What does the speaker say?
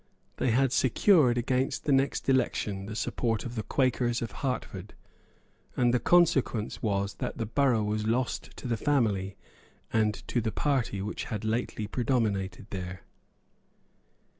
They had secured against the next election the support of the Quakers of Hertford; and the consequence was that the borough was lost to the family and to the party which had lately predominated there.